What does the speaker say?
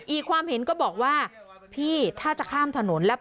อีกความเห็นก็บอกว่า